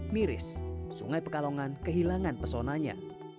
miris sungai pekalongan kehilangan pesonanya